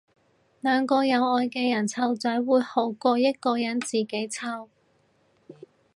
兩個有愛嘅人湊仔會好過一個人自己湊